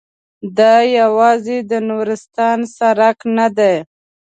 دا یوازې د نورستان سړک نه دی.